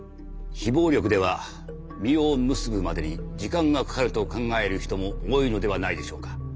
非暴力では実を結ぶまでに時間がかかると考える人も多いのではないでしょうか。